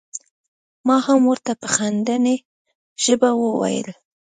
ما هم ور ته په خندنۍ ژبه وویل.